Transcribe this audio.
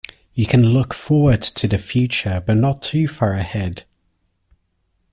You can look forward to the future but not too far ahead.